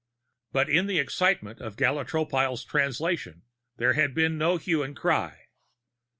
But in the excitement of Gala Tropile's Translation, there had been no hue and cry.